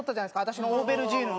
私のオーベルジーヌの。